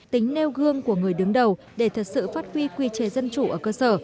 tính nêu gương của người đứng đầu để thật sự phát huy quy chế dân chủ ở cơ sở